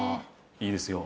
いいですよ。